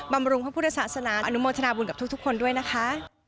บำรุงพระพุทธศาสนาอนุโมทนาบุญกับทุกคนด้วยนะคะ